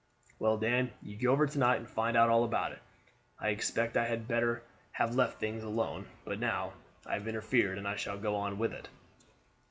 "Well, Dan, you go over to night and find out all about it. I expect I had better have left things alone, but now I have interfered I shall go on with it."